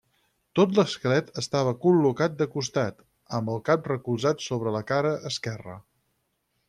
Tot l’esquelet estava col·locat de costat, amb el cap recolzat sobre la cara esquerra.